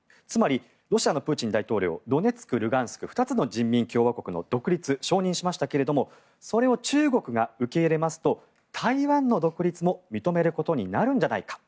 つまりロシアのプーチン大統領はドネツク、ルガンスクの２つの人民共和国の独立を承認しましたけれどもそれを中国が受け入れますと台湾の独立も認めることになるんじゃないか。